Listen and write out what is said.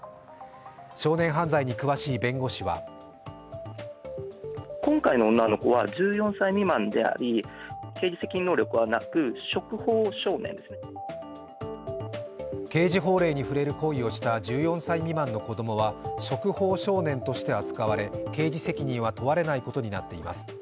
少年犯罪に詳しい弁護士は刑事法令に触れる行為をした１４歳未満の子供は触法少年として扱われ刑事責任は問われないことになっています。